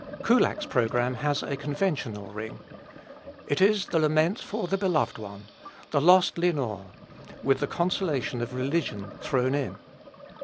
Kullak's programme has a conventional ring. It is the lament for the beloved one, the lost Lenore, with the consolation of religion thrown in.